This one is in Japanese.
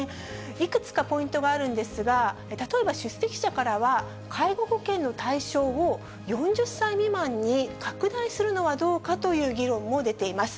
いくつかポイントがあるんですが、例えば出席者からは、介護保険の対象を４０歳未満に拡大するのはどうかという議論も出ています。